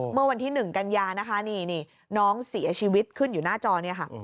เมื่อวันที่๑กันยานะคะนี่น้องเสียชีวิตขึ้นอยู่หน้าจอเนี่ยค่ะ